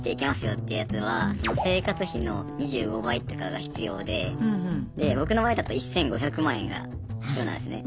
よってやつは生活費の２５倍とかが必要でで僕の場合だと１５００万円が必要なんですね。